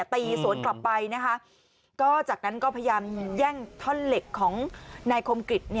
ตีสวนกลับไปนะคะก็จากนั้นก็พยายามแย่งท่อนเหล็กของนายคมกริจ